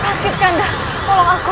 sakit kanda tolong aku